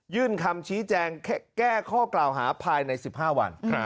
คำชี้แจงแก้ข้อกล่าวหาภายใน๑๕วัน